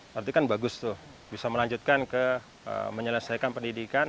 berarti kan bagus tuh bisa melanjutkan ke menyelesaikan pendidikan